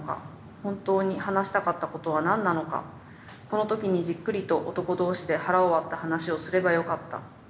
本当に話したかったことは何なのかこの時にじっくりと男同士で腹を割った話をすればよかった。